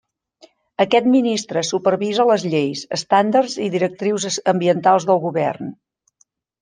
Aquest ministre supervisa les lleis, estàndards i directrius ambientals del govern.